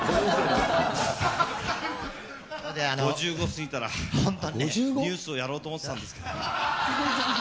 ５５過ぎたら、ニュースをやろうと思ってたんですけど。